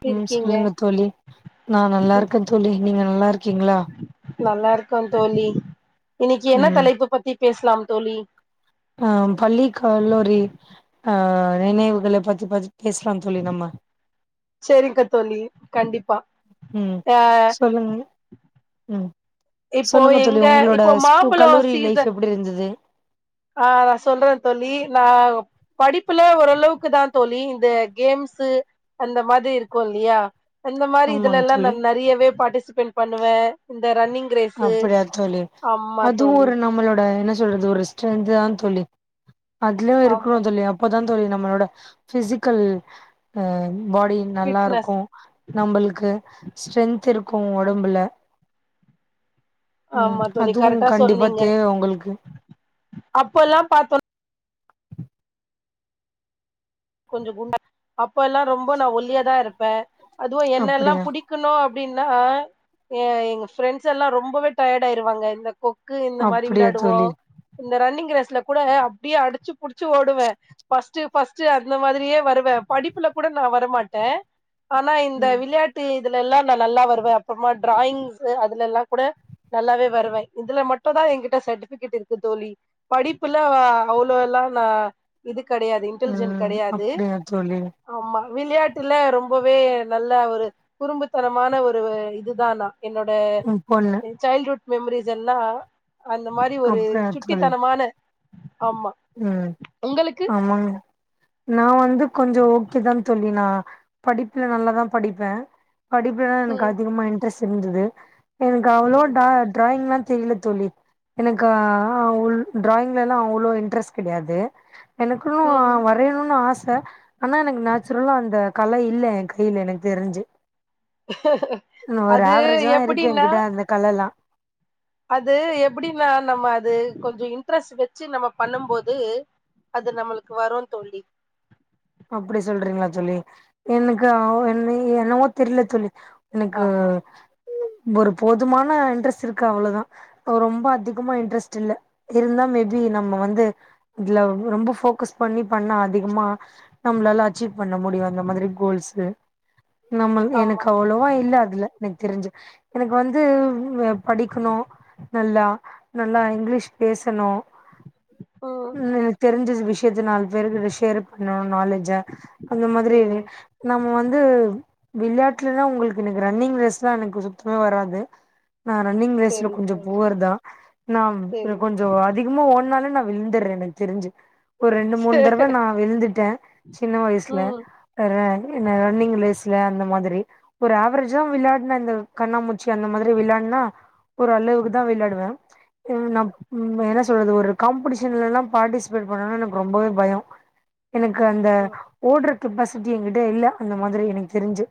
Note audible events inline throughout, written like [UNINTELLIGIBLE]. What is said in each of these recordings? எப்டி ம் இருக்கீங்க சொல்லுங்க தோழி நா நல்லா இருக்கே தோழி நீங்க நல்லா இருக்கீங்களா நல்லா இருக்கோ தோழி ம் பேசலா தோழி அ பள்ளி கல்லூரி ஆ நினைவுகள பத்தி பத்தி பேசலா தோழி நம்ம செரிக்க தோழி கண்டிப்பா ம் ஆ சொல்லுங்க ம் இப்போ சொல்லுங்க தோழி எங்க உங்களோட இப்போ ஸ்கூ மாம்பழோ கல்லூரி லைஃப் சீசன் எப்டி இருந்தது ஆ சொல்றே தோழி நா படிப்புல ஓரளவுக்கு தா தோழி இந்த கேம்சு அந்த மாரி இருக்கு இல்லியா இந்த மாரி இதுல ஆமாங்க எல்லா நா தோழி நெறையவே ஃபார்ட்டிசிபேட் பண்ணுவே இந்த ரன்னிங் ரேஸு அப்டியா தோழி ஆமா அது தோழி ஒரு நம்மளோட என்ன சொ சொல்றது ஒரு [UNINTELLIGIBLE] தோழி அதுலயு ஆமா இருக்கணு தோழி அப்போ இதா தோழி நம்மளோட பிசிக்கல் அ பாடி நல்லா ஃபிட்னஸ் இருக்கு நம்மளுக்கு ஸ்ட்ரென்த் இருக்கு க்கு வொடம்புல ஆமா தோழி கரெட்டா சொன்னிங்க தேவ உங்களுக்கு அப்ப எல்லா பாத்தோன கொஞ்ச குண்டா அப்போ எல்லா ரொம்ப நா ஒல்லியதா இருப்பே அதுவு என்னெல்லா அப்டியா புடிக்கணு அப் அப்டின்னா எ எங்க ஃபிரெண்ட்ஸ் எல்லா ரொம்பவே டயர்டா ஆயிருவாங்க இந்த கொக்கு இந்த மாரி அப்டியா வெளையாடுவோ தோழி இந்த ரன்னிங் ரேஸ்ல கூட அப்டியே அடிச்சு புடிச்சு ஓடுவே பர்ஸ்ட்டு பர்ட்ஸ் இந்த மாதிரியே வருவே படிப்புல கூட நா வரமாட்டே ஆனா இந்த ம் விளையாட்டு இதுல எல்லா நா நல்லா வருவே அப்பறமா டிராயிங்ஸ் அதுல எல்லா கூட நல்லாவே வருவே இதுல மட்டு தா எகிட்ட சர்டிபிகேட் இருக்கு தோழி படிப்புல அவ்ளோ எல்லா நா இதுக்கு கெடையது இன்டெலிஜென்ட் ம் கெடையாது அப்டியா தோழி ஆமா விளையாட்டுல ரொம்பவே நல்ல ஒரு குறும்புத்தனமான ஒரு இதுதானா என்னோட ம் பொண்ணு சைல்டு வுட் மெமரீஸ் எல்லா அந்த மாரி ஒரு அப்டியா தோழி சுட்டித்தனமான ஆமா ம் உங்களுக்கு ஆமங்க நா வந்து கொஞ்ச ஓகேதா தோழி நா படிப்புல நல்லாதா படிப்பே படிப்புலதா எனக்கு ம் அதிகமா இன்ட்ரெஸ்ட் டு இருந்துது எனக்கு அவ்ளவா ம் ட்ரா ட்ராயிங்லா தெரியல தோழி எனக்கு ஆ அவ்ள் ட்ராயிங்லலா அவ்ளோ இன் ட்ரெஸ்ட் கெடையாது எனக்குன்னு ம் வரையணுனு ஆச ஆனா எனக்கு நேச்சுரலா அந்த கலை இல்ல யேன் கைல எனக்கு தெரிஞ்சு ஒரு அது ஆவரேஜ்தா இருக்கு எப்டின்னா என்கிட்ட அந்த கல எல்லா அது எப்பிடின்னா நம்ம அது கொஞ்சோ இன்ட்ரெஸ்ட் வச்சு நம்ம பண்ணும்போது அது நம்மளுக்கு வரு தோழி அப்பிடி சொல்றீங்களா தோழி எனக்கு அவ் என்ன என்னவோ தெரில தோழி எனக்கு ஆமா ஒரு போதுமான இன்ட்ரெஸ்ட் இருக்கு அவ்ளதா அ ரொம்ப அதிகமா இன்ட்ரெஸ்ட் இல்ல இருந்தா மேபி நம்ம வந்து இதுல ரொம்ப ஃபோக்கஸ் பண்ணி பண்ணா அதிகமா நம்மளால அச்சீவ் பண்ண நம்மள் ஆமா எனக்கு அவ்ளவா இல்ல அதுல எனக்கு தெரிஞ்சு எனக்கு வந்து அ படிக்கணு நல்லா நல்லா இங்கிலீஷ் பேசணு ம் எனக்கு தெரிஞ்சது விஷ யத்த நாலு பேருக்கு இது ஷேர் பண்ணனு நாலு தா அந்த மாதிரி செரி நா நம்ம வந்து விளையாட்லல்லா உங்களுக்கு எனக்கு ரன்னிங் ரேஸ்லா எனக்கு சுத்தமா வராது நா ரன்னிங் ரேஸ்ல செரி கொஞ்ச தோழி புவர்தா நா இது செரி கொஞ்ச அதிகமா ஓட்னாலே நா விழுந்தர்ற எனக்கு தெரிஞ்சி ஒரு ரெண்டு செ மூணு தடவ நா விழுந்துட்டே சின்ன வயசுல ம் வேற இந்த ரன்னிங் ரேஸ்ல அந்த மாதிரி ஒரு ஆவரேஜா விளையாட்ன இந்த கண்ணாமூச்சி அந்த மாதிரி விளையாட்னா ஒரு அளவுக்குதா விளையாடுவ என் நா ம் என்ன சொல்றது ஒரு காம்படீஷன்லல்லா பார்ட்டிசிபேட் பண்ணனுனா எனக்கு ரொம்பவே பயோ எனக்கு அந் ம். ஓட்ற கெப்பாசிட்டி என்கிட்ட இல்ல அந்த மாதிரி எனக்கு தெரிஞ்சு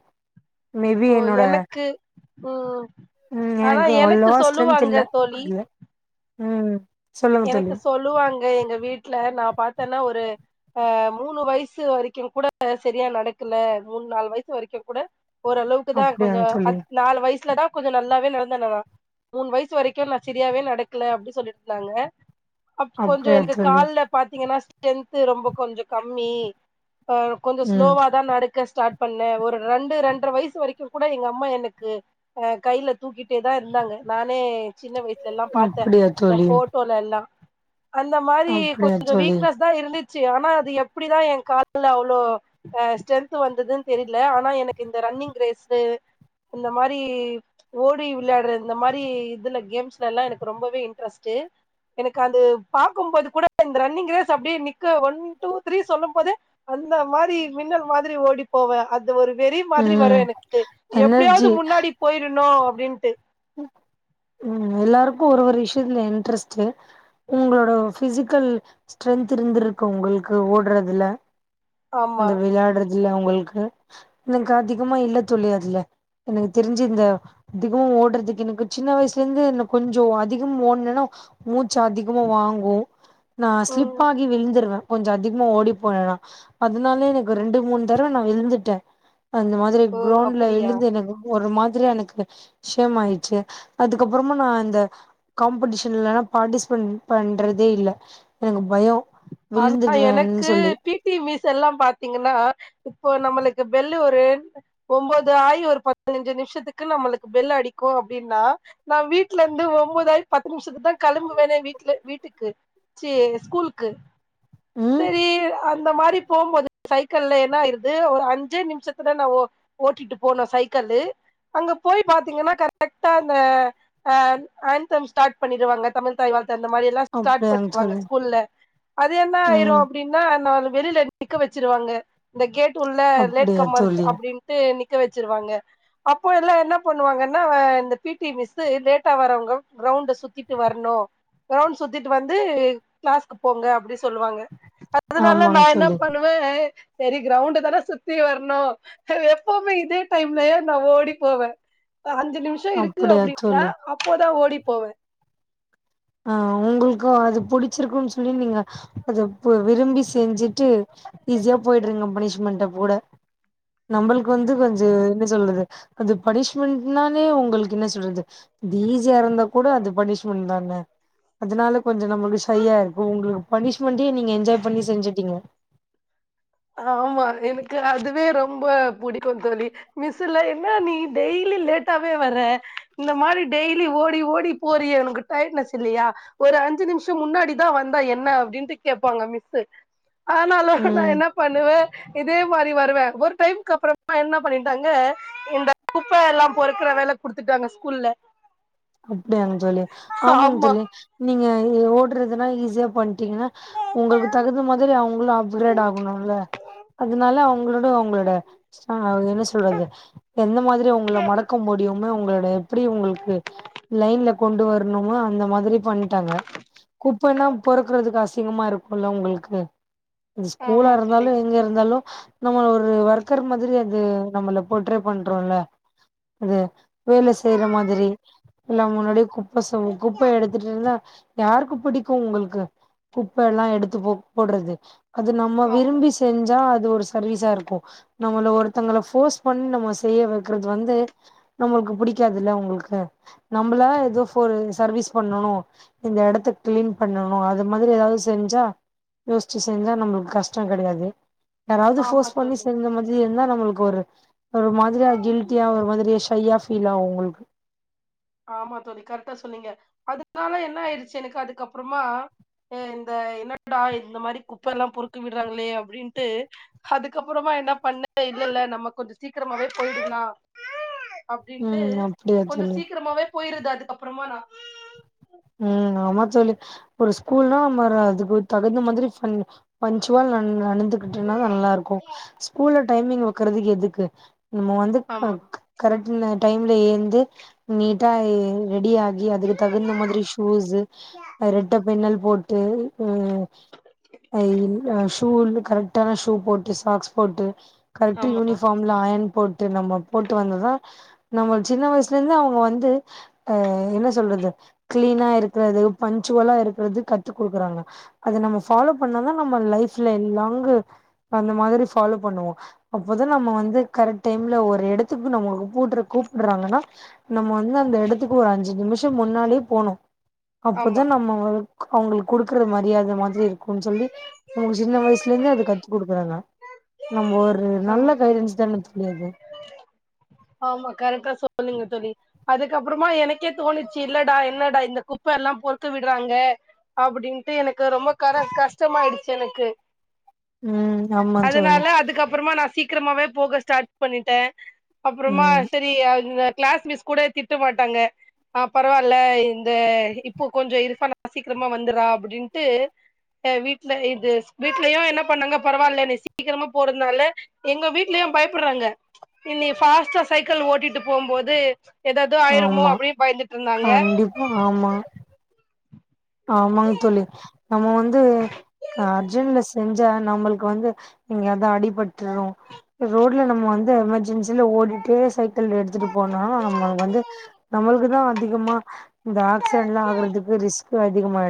மேபி ஓ என்னோட எனக்கு ம் ம் ஆனா எனக்கு அவ்ளவா ஸ்ட்ரென்த் சொல்லுவாங்க இல்ல தோழி அதுல ம் சொல்லுங்க எனக்கு தோழி சொல்லுவாங்க எங்க வீட்ல நா பாத்தேன்னா ஒரு அ மூனு வயசு வரைக்கு கூட சரியா நடக்கல மூனு நாலு வயசு வரைக்கு கூட ஓரளவுக்குதா அப்டியா கொஞ்ச தோழி அத் நாலு வயசுல தா கொஞ்ச நல்லாவே நடந்தே நா மூனு வயசு வரைக்கு நா சரியாவே நடக்கல அப்டின்னு சொல்லிட்ருந்தாங்க அப்டி கொஞ்சோ அப்டியா எனக்கு தோழி கால்ல பாத்தீங்கன்னா ஸ்ட்ரென்த்து ரொம்ப கொஞ்ச கம்மி ஆ கொஞ்ச ம் ஸ்லோவா தா நடக்க ஸ்டாட் பண்ணே ஒரு ரெண்டு ரெண்டரை வயசு வரைக்கு கூட எங்க அம்மா எனக்கு அ கையில தூக்கிட்டே தா இருந்தாங்க நானே சின்ன வயசுலல்லா பாத்தே அப்டியா தா தோழி போட் எல்லா அந்த மாரி அப்டியா கொஞ்சோ தோழி வீக்னஸ் தா இருந்துச் ஆனா அது எப்டிதா எ கால்ல அவ்ளோ ஸ்ட்ரென்த் வந்ததுன்னு தெரியல ஆனா எனக்கு இந்த ரன்னிங் ரேஸு இந்த மாரி ஓடி விளயாடுற இந்த மாரி இதுல கேம்ஸ்லல்லா எனக்கு ரொம்பவே இன்ட்ரெஸ்ட்டு எனக்கு அது பாக்கும்போது கூட இந்த ரன்னிங் ரேஸ் அப்டியே நிக்க ஒன் டூ த்ரீ சொல்லும் போதே அந்த மாரி மின்னல் மாரி ஓடி போவே அ அது ஒரு வெறி மாரி வரு ம் எனக்கு எப்டியாவது எனர்ஜி முன்னாடி போயிரனு அப்டீன்ட்டு உம் எல்லாருக்கு ஒரு ஒரு விஷயத்ல இன்ட்ரெஸ்ட்டு உங்களோட பிசிக்கல் ஸ்ட்ரென்த் இருந்துருக்கு உங்களுக்கு ஓடுறதுல ஆமா இந்த விளாடுற துல ஒங்களுக்கு எனக்கு அதிகமா இல்ல தோழி அதுல எனக்கு தெரிஞ்சு இந்த அதிகமா ஓடுறதுக்கு எனக்கு சின்ன வயசுல இருந்து என்ன கொஞ்சோ அதிகம் ஓடுனன்னா மூச் சு அதிகமா வாங்கு நா ஸ்லிப் ம் ஆகி விழுந்துருவே கொஞ்சோ அதிகமா ஓடி போனேனா அதனாலே எனக்கு ரெண்டு மூனு தரவ நா விழுந்துட்டே அந்த மாதிரி ஓ கிரௌண்ட்ல அப்டியா விழுந்து எனக்கு ஒரு மாதி ரி எனக்கு ஷேம் ஆயிச்சு அதுக்கப்புறமா நா அந்த காம்படிஷன்லலா பார்ட்டிஸ்பேட் பண்றதே இல்ல எனக்கு பயோ ஆனா விழுந்துடுவேன்னு எனக்கு சொல்லி பி டி மிஸ் எல்லா பா த்தீங்கன்னா இப்போ நம்மளுக்கு பெல்லு ஒரு ஒம்பது ஆகி ஒரு பதினஞ்சு நிமிஷத்துக்கு நம்மளுக்கு பெல்லு அடிக்கு அப்டின்னா நா வீட்ல இருந்து ஒன்பதாயி பத்து நிமிஷத்து தா கெளம்புவனே வீட்ல வீட்டுக்கு ச்சி ஸ்கூலுக்கு ம் சரி அ இந்த மாரி போம்போது சைக்கள்ள என்ன ஆயிருது ஒரு அஞ்சே நிமிஷத்துல நா ஓட்டிட்டு போனோ சைக்களு அங்க போய் பாத்தீங்கன்னா கரெக்ட்டா அந்த ஆந்தம் ஸ்டாட் பண்ணிருவாங்க தமிழ்த்தாய் வாழ் த்து அந்த மாரில்லா ஸ்டாட் அப்டியாங்க பண்ணிடுவாங்க தோழி ஸ்கூல்ல அது என்னா ஆயிரு ம் அப்டின்னா என்ன வெளில நிக்க வச்சிருவாங்க இந்த கேட் உள்ள லேட் அப்படியா கம்மர்ஸ் தோழி அப்டின்ட்டு நிக்க இத வச்சுருவாங்க அப்போ எல்லா என்ன பண்ணுவாங்கனா இந்த பி டி மிஸ்ஸு லேட்டா வரவங்க கிரவுண்டு சுத்திட்டு வரணு கிரவுண்ட் சுத்திட்டு வந்து கிளாஸ்க்கு போங்க அப்டி சொல்லுவாங்க அதனால நா ஆமாங்க என்ன தோழி பண்ணுவே செரி கிரௌண்ட் தானே சுத்தி வரணு எப்பவுமே இதே டைம்லயே நா ஓடி போவே இப்ப அஞ்சு நிமிஷ இருக்கு அப்படியா அப்டின்னா தோழி அப்போதா ஓடிப் போவே ஆ உங்களுக்கு அது புடிச்சிருக்குன்னு சொல்லி நீங்க அத விரும்பி செஞ்சு ட்டு ஈஸியா போயிடிரிங்க பனிஷ்மெண்ட்டப் கூட நம்மளுக்கு வந்து கொஞ்சோ என்ன சொல்றது அந்த பனிஷ்மெண்ட்னாலே உங்களுக்கு என்ன சொல்றது தே ச்சியா இருந்தா கூட அது பனிஷ்மெண்ட் தான அதனால கொஞ்சோ நம்மளுக்கு ஷைய்யா இருக்கோ உங்களுக்கு பனிஷ்மெண்டே நீங்க என்ஜாய் பண்ணி செஞ்சுட்டீங்க அ ஆமா எனக்கு அதுவே ரொம்ப புடிக்கு தோழி மிஸ்ஸுலா என்ன நீ டெய்லி லேட்டாவே வர இந்த மாரி டெய்லி ஓடி ஓடி போறியே உனக்கு டயடனஸ் இல்லயா ஒரு அஞ்சு நிமிஷோ முன்னாடிதா வந்தா என்ன அப்டின்ட்டு கேப்பாங்க மிஸ்ஸு ஆனாலோ நா ம் என்னப் த்த இதே மாரி வருவே ஒரு டைமுக்கு அப்பறமா என்ன பண்ணிட்டாங்க இந்த குப்பயெல்லா பொறுக்குற வேல குடுத்துட்டாங்க ஸ்கூல்ல அப்டியாங்கு தோழி ஆமாங்க ஆமா தோழி நீங்க நீங்க ஓடுறதுனா ஈஸியா பண்ணி ரிங்கன்னா உங்களுக்கு தகுந்த மாரி அவங்களு அப்கிரேட் ஆகணும்ல அதனால அவங்களோட அவங்களோட ஆ என்ன சொல்றது எந்த மாரி உங்கள மடக்க முடியுனு உங்களோட எப்டி உங்களுக்கு லைன்ல கொண்டு வர்னு இவ அந்த மாதிரி பண்ணிட்டாங்க குப்பைனா பொறுக்குறதுக்கு அசிங்கமா இருக்குல்ல உங்களுக்கு அது ஸ்கூலா ஆமா இருந்தாலு தோழி எங்க இருந்தாலு நம்மள ஒரு ஒர்க்கர் மாதிரி அது நம்மள போட்ரே பண்றோல அது வேல செய்யற மாதிரி எல்லா முன்னாடியே குப்ப செய்வோ குப்ப எடுத்துட்டு இருந்தா யாருக்கு புடிக்கு உங்களுக்கு குப்ப எல்லா எடுத்து போ போடுறது அது நம்ம ஆமா விரும்பி செஞ்சா அது இது ஒரு சர்வீஸா இருக்கு நம்மள ஒருத்தங்கள போஸ் பண்ணி நம்ம செய்ய வக்கிறது வந்து நம்மளுக்கு புடிக்காதுல்ல உங்களுக்கு நம்மளா ஏதோ சர்வீஸ் பண்ணணு இந்த எடத்த கிளீன் பண்ணணு அது மாரி ஏதாது செஞ்சா யோசிச்சு செஞ்சா நம்மளுக்கு கஷ்ட கெடையாது யாராது போர்ஸ் ஆமா பண்ணி தோழி செஞ்ச மாதிரி இருந்தா நம்ம உங்கொரு ஒரு மாதிரியா கில்ட்டியா ஒரு மாதிரி ஷையாப் ஃபீலா உங்களுக்கு ஆமா தோழி கரெட்டா சொன்னீங்க அதனால என்ன ஆயிருச்சு எனக்கு அதுக்கப்பறமா இந்த என்னடா இந்த மாரி குப்ப எல்லா பொறுக்கு விடுறாங்களே அப்டின்ட்டு அதுக்கப்பறமா என்ன பண்ண இல்லல்ல நம்ம கொஞ்ச சீக்கிரமாவே போயிடலா உம் அப்டியா சொல்லு போயிருது அதுக்கப்புறமா நா உம் ஆமா தோழி ஒரு ஸ்கூல்னா நம்ம அதுக்கு தகுந்த மாதிரி பஞ்சுவள் நடந்துகிட்டு இருனா நல்லா இருக்கு ஸ்கூல டைமிங் வக்கறதுக்கு எதுக்கு நம்ம வந்து ஆமா கரெக்ட் டைம்ல ஏந்து நீட்டா ரெடி ஆகி அதுக்கு தகுந்த மாதிரி ஷூஸு ரெட்ட பின்னல் போட்டு ஷூ கரெக்டான ஷூ போட்டு சாக்ஸ் போட்டு கரேக்டா ஆமா யூனிஃபாம்லா அயன் போட்டு நம்ம போட்டு வந்ததா நம்ம சின்ன வயசுல இருந்து அவுங்க வந்து அ என்ன சொல்றது கிளீனா இருக்குறது பஞ்சுவலா இருக்குறது கத்து குடுக்குறாங்க அத நம்ம ஃபாலோ பண்ணா தா நம்ம லைஃப்ல எல்லாங்கு அந்த மாதிரி ஃபாலோ பண்ணுவோ அப்போதா நம்ம வந்து கரெக்ட் டைம்ல ஒரு எடத்துக்கு நம்ம கூட்டுற கூப்ருறாங்கன்னா நம்ம வந்து அந்த எடத்துக்கு ஒரு அஞ்சு நிமிஷோ முன்னாலே போனு ஆமா அப்பதா நம்ம அவுங்களுக்கு குடுக்குற மரியாத மாதிரி இருக்குன்னு சொல்லி ஒங்களுக்கு சின்ன வயசுல இருந்தே அத கத்து குடுக்குறாங்க நம்ம ஒரு ஆ நல்ல ஆமா கைடன்ன்ஸ் தான [UNINTELLIGIBLE] ஆமா கரெக்டா சொல்லுங்க தோழி அதுக்கப்புறமா எனக்கே தோனுச்சு இல்லடா என்னடா இந்த குப்ப எல்லா பொறுக்க விடுறாங்க அப்டின்ட்டு எனக்கு ரொம்ப கர கஷ்டமாயிடுச்சு எனக்கு உம் அமா தோழி அதனால அதுக்கப்புறமா நா சீக்கிரமாவே போக ஸ்டாட் பண்ணிட்டே அப்பறமா ம் சரி கிளாஸ் மிஸ் கூட திட்ட மாட்டாங்க ஆ பரவாயில்ல இந்த இப்போ கொஞ்சோ இருப்பா நா சீக்கிரமா வந்துறே அப்டின்ட்டு வீட்ல இது வீட்லயு என்னா பண்ணாங்க பரவால்ல நீ சீக்கிரமா போறதுனால எங்க வீட்லயு பயப்புறாங்க இ ஃபாஸ்ட்டா சைக்கிள் ஓட்டிட்டு போம்போது ஏதாவது ஆயிரமோ ஆமா அப்டினு பயந்துட்டு இருந்தாங்க கண்டிப்பா ஆமாங்க தோழி நம்ம வந்து அர்ஜென்ல செ நம்மளுக்கு வந்து இங்க எங்கதா அடிபட்டுரு ரோட்ல நம்ம வந்து எமர்ஜென்சில ஓடிட்டே சைக்கிள் எடுத்துட்டு போனா நம்ம வந்து நம்மளுக்குதா அதிகமா இந்த ஆக்சிடென்லா ஆகுறதுக்கு அதிகமா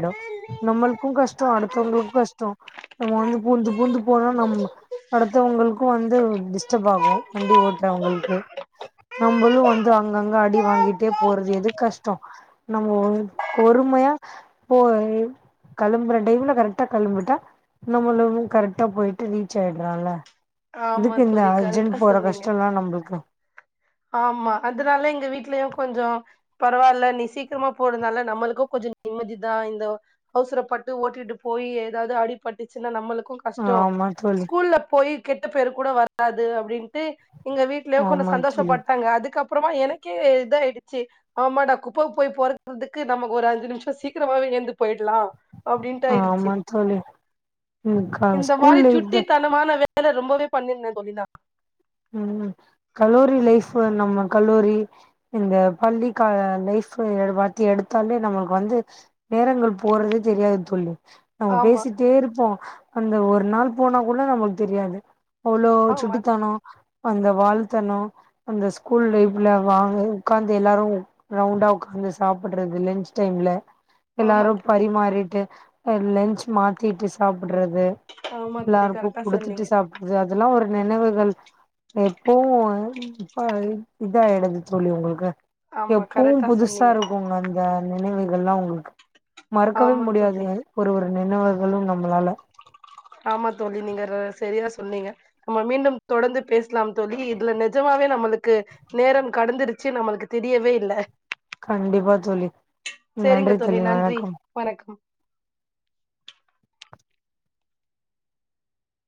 நம்மளுக்கு கஷ்டோ அடுத்தவங்களுக்கு கஷ்டோ நம்ம வந்து பூந்து பூந்து போனா நம் அடுத்தவங்களுக்கு வந்து டிஸ்டப் ஆகு வண்டி ஓட்றவங்களுக்கு நம்மளு வந்து அங்கங்க அடி வாங்கிட்டே போறது எது கஷ்டோ நம்ம பொறுமையா போ கெளம்புற டைம்ல கரெக்டா கெளம்பிட்டா நம்மளு கரெக்டா போயிட்டு ரீச் ஆயிறான்ல ஆமா எதுக்கு இந்த தோழி கரெக்டா அர்ஜென்ட் போற சொன்னீங்க கஷ்டோ எல்லா நம்மளுக்கு ஆமா அதனால எங்க வீடலயு கொஞ்சோ பரவாயில்ல நீ சீக்கிரமா போறனால நம்மளுக்கு கொஞ்சோ நிம்மதிதா இந்த அவசரப்பட்டு ஓட்டிட்டு போய் ஏதாவது அடி பட்டுச்சுன்னா நம்மளுக்கு கஷ்டோ ஆமா தோழி ஸ்கூல்ல போய் கெட்ட பேரு கூட வராது அப்டின்னு து எங்க வீட்லயோ கொஞ்சோ ஆமா தோழி சந்தோஷப்பட்டாங்க அதுக்கப் அப்புறமா எனக்கே இத ஆயிடுச்சு அ [UNINTELLIGIBLE] குப்பைக்கு போய போறதுக்கு நமக்கு ஒரு அஞ்சு நிமிஷோ சீக்கிரமாகவே ஏந்து போயடு லா அப்டின்ட்டு ஆயடுச்சு ஆமா தோழி ம் க இந்த ஸ்கூல் மாரி லைஃப் சுட்டித்தனமான வே ல ரொம்பவே பண்ணிருந்தே தொழினா உ கலோரி லைஃப் நம்ம கலோரி இந்த பள்ளிகா லைஃப் பத்தி எடுத்தாலே நம்மளுக்கு வந்து நேரங்கள் போறதே தெரியாது தோல்லி நம்ம ஆமா பேசிட்டே இருப்போ அந்த ஒரு நாள் போனா கூட நம்மளுக்கு தெரியாது அவ்ளோ ஆமா சுட்டித்தனோ அந்த வாழத்தனோ அந்த ஸ்கூல் லைஃப்ல வாங்க உக்காந்து எல்லாரு ரவுண்டா உகார்ந்து சாப்பிடுறது லன்ச் டைம்ல ஆமா எல்லாரு தோழி பரிமாறிட்டு லன்ச் மாத்திட்டு சாப் ட்றது ஆமா தோழி எல்லாருக்கு கரெக்டா சொன்னீங்க குடுத்துட்டு சாப்பிடுறது அதெல்லா ஒரு நினவுகள் எப்போ இப்ப இதா ஆய்டுது தோலி உங்களுக்கு ஆமா எப்பவு கரெக்டா புதுசா சொன்னீங்க இருக்குங்க அந்த நினைவுகள்லா உங்களுக்கு மறுக்கவே ஆமா தோழி முடியாது ஒருஒரு நினைவுகளு நம்மளால ஆமா தோல்லி நீங்க சரியா சொன்னீங்க நம்ம மீண்டு தொடர்ந்து பேசலா தோல்லி இதுல நிஜமாவே நம்மளுக்கு நேரம் கடந்துருச்சு நம்மளுக்கு தெரியவே இல்ல கண்டிப்பா தோலி சரிங்க நன்றி தோழி தோலி நன்றி வணக்கம் வணக்கம்